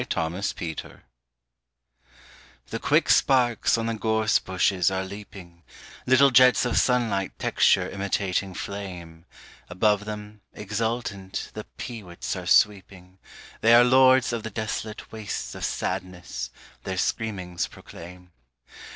THE WILD COMMON THE quick sparks on the gorse bushes are leaping, Little jets of sunlight texture imitating flame; Above them, exultant, the pee wits are sweeping: They are lords of the desolate wastes of sadness their screamings proclaim.